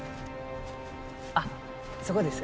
あっそこです。